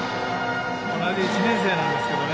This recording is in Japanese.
同じ１年生なんですけどね。